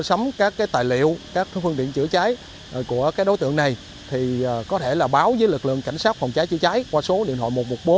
tắm các tài liệu các phương tiện chữa trái của đối tượng này thì có thể là báo với lực lượng cảnh sát phòng trái chết cháy qua số điện thoại một trăm một mươi bốn